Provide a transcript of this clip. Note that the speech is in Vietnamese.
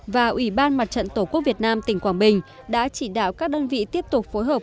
và ủy ban mặt trận tổ quốc việt nam tỉnh quảng bình đã chỉ đạo các đơn vị tiếp tục phối hợp